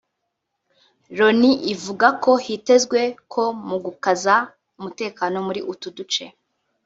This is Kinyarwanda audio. Loni ivuga ko hitezwe ko mu gukaza umutekano muri utu duce